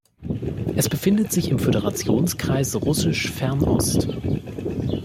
Es befindet sich im Föderationskreis Russisch-Fernost.